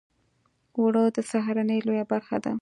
اوړه د سهارنۍ لویه برخه ده